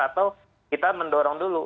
atau kita mendorong dulu